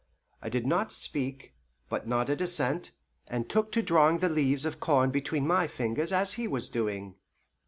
I did not speak, but nodded assent, and took to drawing the leaves of corn between my fingers as he was doing.